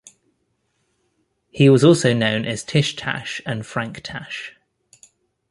He was also known as Tish Tash and Frank Tash.